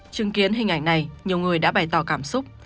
chứng kiến hình ảnh này nhiều người đã bày tỏ cảm xúc